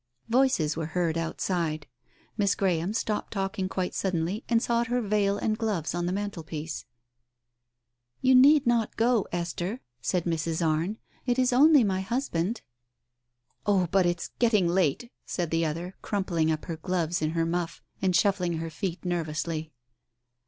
" Voices were heard outside. Miss Graham stopped talking quite suddenly, and sought her veil and gloves on the mantelpiece. "You need not go, Esther," said Mrs. Arne. "It is only my husband." Digitized by Google THE PRAYER 103 "Oh, but it is getting late," said the other, crumpling up her gloves in her muff, and shuffling her feet nervously.